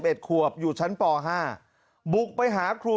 เมื่อกี้มันร้องพักเดียวเลย